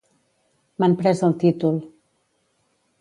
M'han pres el títol